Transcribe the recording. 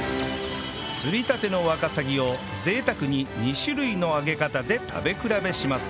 釣りたてのワカサギを贅沢に２種類の揚げ方で食べ比べします